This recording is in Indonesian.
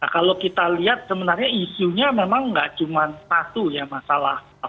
kalau kita lihat sebenarnya isunya memang nggak cuma satu ya masalah